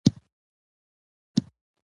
که چادري واغوندو نو پرده نه ماتیږي.